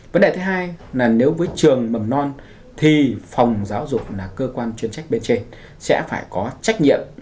vấn đề thứ hai là nếu với trường mầm non thì phòng giáo dục là cơ quan chuyên trách bên trên sẽ phải có trách nhiệm